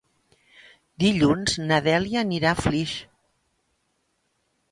Dilluns na Dèlia anirà a Flix.